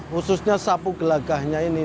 khususnya sapu gelaganya ini